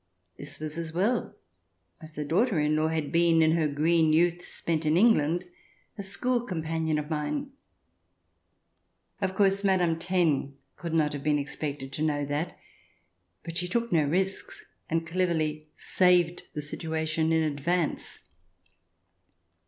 This was as well, as the daughter in law had been, in her green youth spent in England, a school companion of mine. Of course, Madame Taine could not have been expected to know that, but she took no risks and cleverly saved the situation in advance.